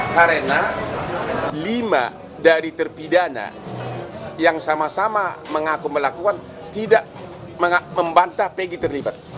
karena lima dari terpidana yang sama sama mengaku melakukan tidak membantah pegi terlibat